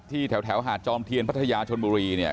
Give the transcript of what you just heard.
ที่แถวหาดจอมเทียนพัทยาชนบุรี